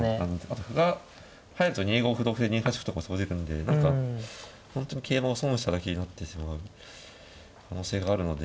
あと歩が入ると２五歩同歩で２八歩とか生じるんで何か本当に桂馬を損しただけになってしまう可能性があるので。